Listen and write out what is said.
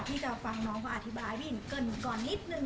ที่จะฟังน้องเขาอสิบาห์ให้พี่หญิงเกินก่อนหลิบนึง